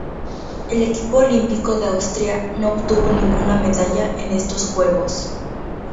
El equipo olímpico de Austria no obtuvo ninguna medalla en estos Juegos.